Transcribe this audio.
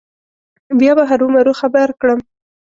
بیا به هرو مرو خبر کړم.